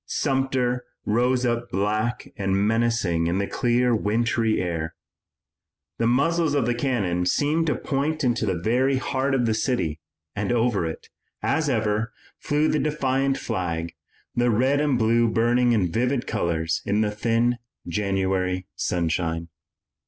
Sumter rose up black and menacing in the clear wintry air. The muzzles of the cannon seemed to point into the very heart of the city, and over it, as ever, flew the defiant flag, the red and blue burning in vivid colors in the thin January sunshine.